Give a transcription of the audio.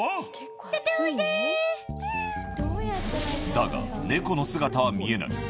だが、猫の姿は見えない。